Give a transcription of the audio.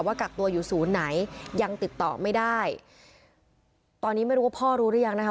กักตัวอยู่ศูนย์ไหนยังติดต่อไม่ได้ตอนนี้ไม่รู้ว่าพ่อรู้หรือยังนะคะ